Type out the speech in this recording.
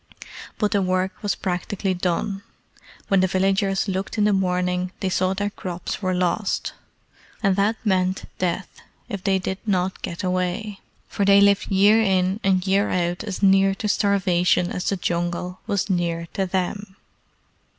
But the work was practically done. When the villagers looked in the morning they saw their crops were lost. And that meant death if they did not get away, for they lived year in and year out as near to starvation as the Jungle was near to them.